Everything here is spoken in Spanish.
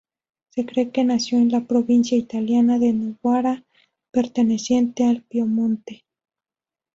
Se cree que nació en la provincia italiana de Novara, perteneciente al Piamonte.